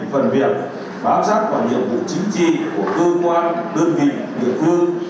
phần việc bám sát vào nhiệm vụ chính trị của cơ quan đơn vị địa phương